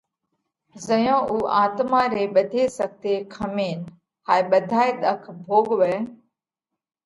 زئيون اُو آتما ري ٻڌي سختي کمينَ هائي ٻڌائي ۮک ڀوڳوَئه